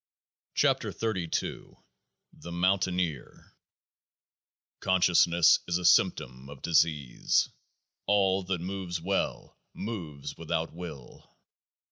41 KEOAAH AB THE MOUNTAINEER Consciousness is a symptom of disease. All that moves well moves without will.